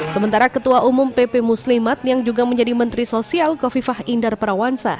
sementara ketua umum pp muslimat yang juga menjadi menteri sosial kofifah indar parawansa